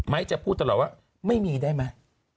ไม้จะพูดตลอดว่าไม่มีได้มั้ย